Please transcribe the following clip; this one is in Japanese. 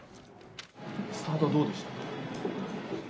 スタートはどうでしたか？